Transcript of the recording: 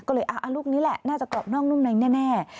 ก็เลยลูกนี้แหละน่าจะกรอบนอกนุ่มในแน่